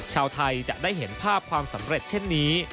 ชาวไทยจะได้เห็นภาพความสำเร็จเช่นนี้